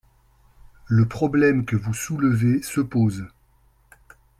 Le problème que vous soulevez se pose.